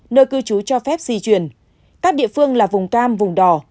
nơi cư trú cho phép di chuyển các địa phương là vùng cam vùng đỏ